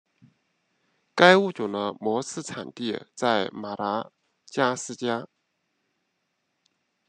该物种的模式产地在马达加斯加。